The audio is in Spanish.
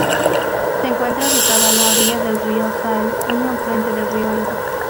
Se encuentra ubicado a la orilla del río Saale, un afluente del río Elba.